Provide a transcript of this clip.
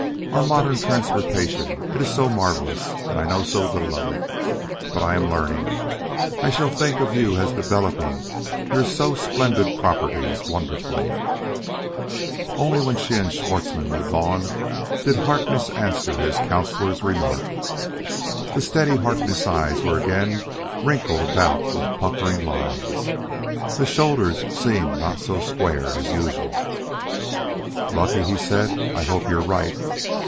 Our modern transportation it is so marvelous, and I know so little of it. But I am learning. I shall think of you as developing your so splendid properties wonderfully." Only when she and Schwartzmann were gone did Harkness answer his counsellor's remark. The steady Harkness eyes were again wrinkled about with puckering lines; the shoulders seemed not so square as usual. "Lucky?" he said. "I hope you're right.